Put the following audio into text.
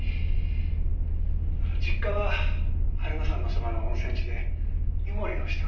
実家は榛名山のそばの温泉地で湯守をしておりまして。